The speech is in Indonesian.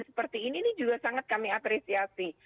seperti ini juga sangat kami apresiasi